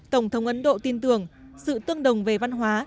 tổng thống ấn độ tin tưởng sự tương đồng về văn hóa